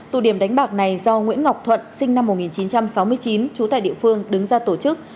tụ điểm đánh bạc này do nguyễn ngọc thuận sinh năm một nghìn chín trăm sáu mươi chín trú tại địa phương đứng ra tổ chức